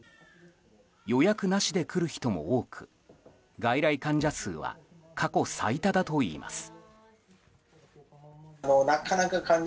予約なしで来る人も多く外来患者数は過去最多だといいます。